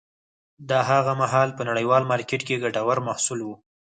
دا هغه مهال په نړیوال مارکېټ کې ګټور محصول و